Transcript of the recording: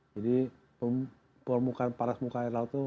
jadi perumukan paras muka air laut tuh